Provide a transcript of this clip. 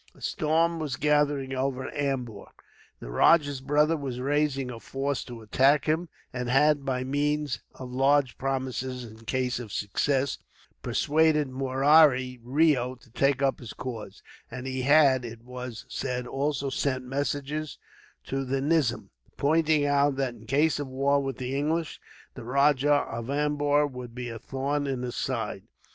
A storm was gathering over Ambur. The rajah's brother was raising a force to attack him, and had, by means of large promises in case of success, persuaded Murari Reo to take up his cause; and he had, it was said, also sent messages to the nizam, pointing out that, in case of war with the English, the Rajah of Ambur would be a thorn in his side.